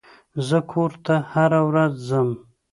زه کور ته هره ورځ ځم.